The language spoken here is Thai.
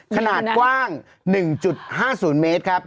ขนาดกว้าง๑๕๐เมตรครับ